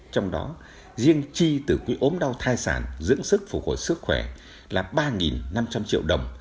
trong đó riêng chi từ quỹ ốm đau thai sản dưỡng sức phục hồi sức khỏe là ba năm trăm linh triệu đồng